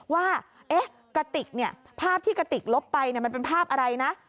ว่ากระติกเนี่ยภาพที่กระติกลบไปมันเป็นภาพอะไรนะ